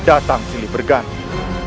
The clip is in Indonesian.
datang sili berganti